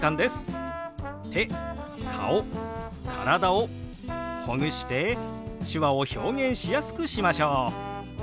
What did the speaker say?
手顔体をほぐして手話を表現しやすくしましょう！